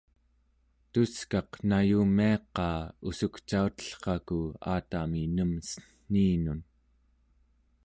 tuskaq nayumiaqaa ussukcautellraku aatami nem cen̄iinun